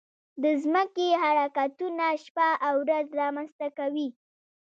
د ځمکې حرکتونه شپه او ورځ رامنځته کوي.